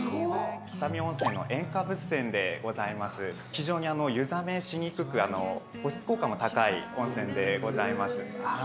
非常に湯冷めしにくく保湿効果も高い温泉でございます。